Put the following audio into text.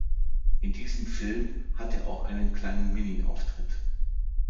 In diesem Film hat er auch einen kleinen Mini-Auftritt.